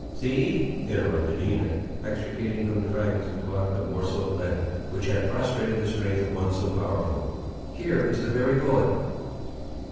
"See!" interrupted Enoch, extricating from the fragments of cloth the morsel of lead which had prostrated the strength of one so powerful; "here is the very bullet!"